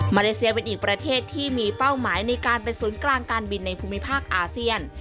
เลเซียเป็นอีกประเทศที่มีเป้าหมายในการเป็นศูนย์กลางการบินในภูมิภาคอาเซียน